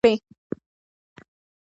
ازادي راډیو د امنیت کیسې وړاندې کړي.